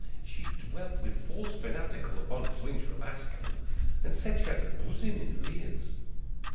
She dwelt with force fanatical Upon a twinge rheumatical, And said she had a buzzing in her ears!